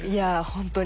本当に。